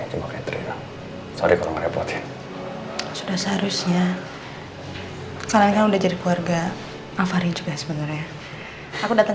sudah seharusnya kalian kan udah jadi keluarga afari juga sebenarnya aku datang